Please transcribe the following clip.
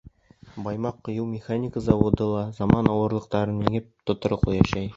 Баймаҡ ҡойоу-механика заводы ла заман ауырлыҡтарын еңеп, тотороҡло эшләй.